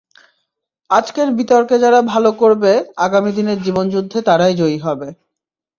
আজকের বিতর্কে যারা ভালো করবে আগামী দিনের জীবনযুদ্ধে তারাই জয়ী হবে।